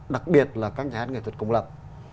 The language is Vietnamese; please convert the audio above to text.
đặc biệt là các nhà hát nghệ thuật công lập